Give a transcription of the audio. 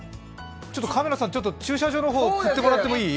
カメラさん駐車場の方、振ってもらってもいい？